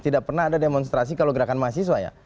tidak pernah ada demonstrasi kalau gerakan mahasiswa ya